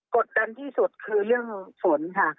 กดดันที่สุดคือเรื่องฝนค่ะ